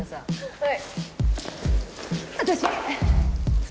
はい？